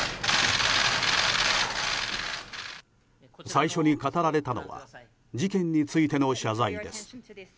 最初に語られたのは事件についての謝罪です。